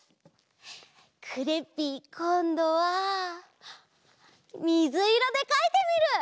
クレッピーこんどはみずいろでかいてみる！